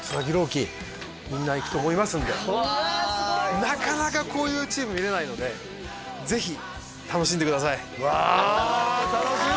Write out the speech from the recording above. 希みんな行くと思いますのでなかなかこういうチーム見れないのでぜひ楽しんでくださいうわ楽しみ！